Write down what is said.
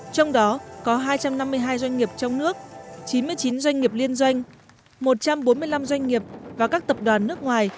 trong đó có hai trăm năm mươi hai doanh nghiệp trong nước chín mươi chín doanh nghiệp liên doanh một trăm bốn mươi năm doanh nghiệp và các tập đoàn nước ngoài